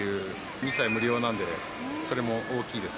２歳無料なので、それも大きいです。